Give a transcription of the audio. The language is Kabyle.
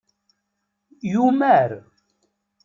Yumar.